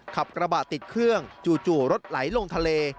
ขับกระบะติดเครื่องจู่รถไหลลงทะเล